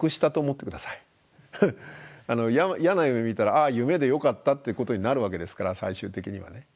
嫌な夢見たら「ああ夢でよかった」ってことになるわけですから最終的にはね。